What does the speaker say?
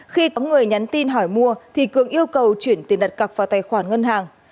khi có người nhắn tin hỏi mua thì cường yêu cầu chuyển tiền đặt cọc vào tài khoản ngân hàng